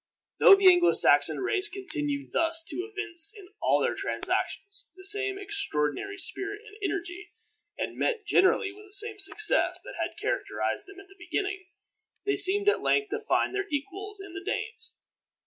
Though the Anglo Saxon race continued thus to evince in all their transactions the same extraordinary spirit and energy, and met generally with the same success that had characterized them at the beginning, they seemed at length to find their equals in the Danes.